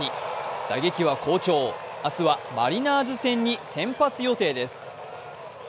打撃は好調、明日はマリナーズ戦に先発予定です。